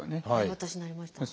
私なりました。